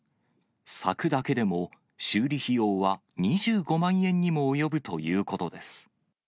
柵だけでも、修理費用は２５万円にも及ぶということです。